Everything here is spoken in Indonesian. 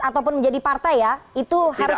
ataupun menjadi partai ya itu harus